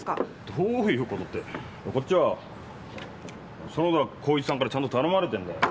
どういうことってこっちは園田耕一さんからちゃんと頼まれてんだよ。